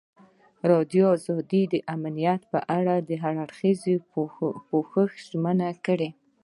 ازادي راډیو د امنیت په اړه د هر اړخیز پوښښ ژمنه کړې.